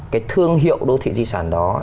cái thương hiệu đô thị di sản đó